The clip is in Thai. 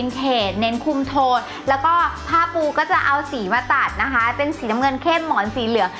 เขตเน้นคุมโทนแล้วก็ผ้าปูก็จะเอาสีมาตัดนะคะเป็นสีน้ำเงินเข้มหมอนสีเหลือง